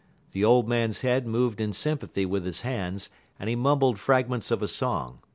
The old man's head moved in sympathy with his hands, and he mumbled fragments of a song.